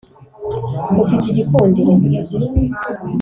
ufite igikundiro.